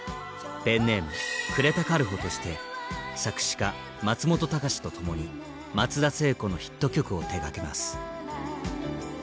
ペンネーム呉田軽穂として作詞家松本隆と共に松田聖子のヒット曲を手がけます。